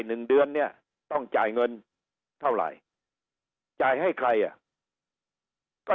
หนึ่งเดือนเนี่ยต้องจ่ายเงินเท่าไหร่จ่ายให้ใครอ่ะก็